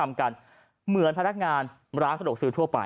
ของพนักงานเขาทำกันติดตามพนักงานร้านสะดวกซื้อทั่วไป